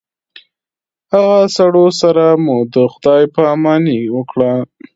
هغه سړو سره مو د خداے په اماني وکړه